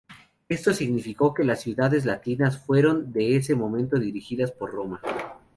Esto significó que las ciudades latinas fueron desde ese momento dirigidas por Roma.